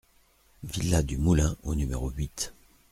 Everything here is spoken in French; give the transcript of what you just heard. Villa du Moulin au numéro huit